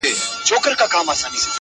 او نور پوهان پدې باور دي